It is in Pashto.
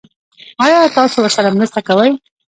ایا تاسو ورسره مرسته کوئ؟